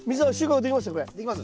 できます？